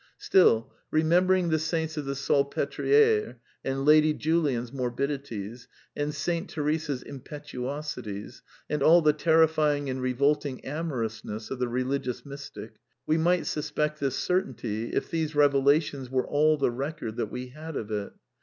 Still, remembering the saints of the Salpetriere, and Lady Julian's morbidities, and Saint Teresa's impetu osities," and all the terrifying and revolting amorous ness of the religious mystic, we might suspect this cer tainty if these revelations were all the record that we had of it.